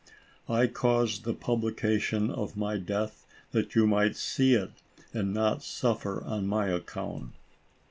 I caused the publication of the notice of my death, that you might see it, and not suffer on my account."